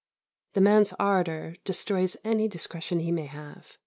The man's ardour destroys any discretion he may have.